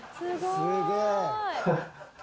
すげえ。